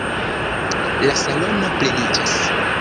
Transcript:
La salono pleniĝis.